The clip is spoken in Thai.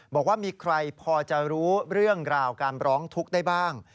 บอกว่ามีใครพอจะรู้เรื่องราวการร้องทุกข์ได้บ้าง